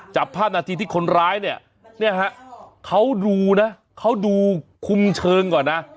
จับภาพนาทีที่คนร้ายเนี่ยเนี่ยฮะเขาดูนะเขาดูคุมเชิงก่อนนะ